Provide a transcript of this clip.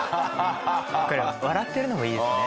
笑ってるのもいいですね。